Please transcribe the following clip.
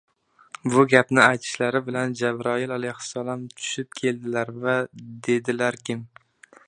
Bu gapni aytishlari bilan Jabroil alayhissalom tushib keldilar va dedilarkim: